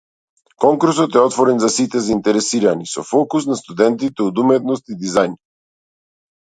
Конкурсот е отворен за сите заинтересирани, со фокус на студентите од уметности и дизајн.